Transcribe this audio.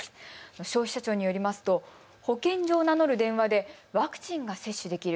消費者庁によりますと保健所を名乗る電話でワクチンが接種できる。